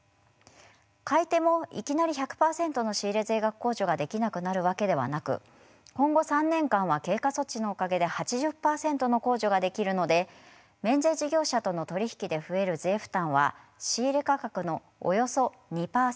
買い手もいきなり１００％の仕入れ税額控除ができなくなるわけではなく今後３年間は経過措置のおかげで８０％の控除ができるので免税事業者との取り引きで増える税負担は仕入れ価格のおよそ２％です。